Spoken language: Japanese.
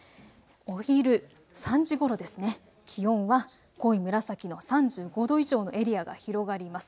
お昼３時ごろ、気温は濃い紫の３５度以上のエリアが広がります。